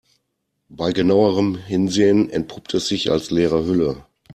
Bei genauerem Hinsehen entpuppt es sich als leere Hülle.